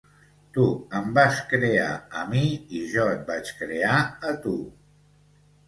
Tu em vas crear a mi i jo et vaig crear a tu!